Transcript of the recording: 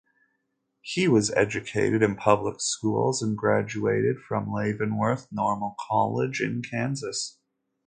He was educated in public schools, and graduated from Leavenworth Normal College in Kansas.